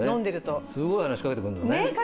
すごい話しかけてくんのよね。